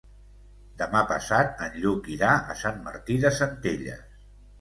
Demà passat en Lluc irà a Sant Martí de Centelles.